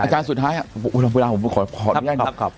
อาจารย์สุดท้าย